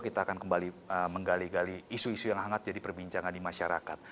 kita akan kembali menggali gali isu isu yang hangat jadi perbincangan di masyarakat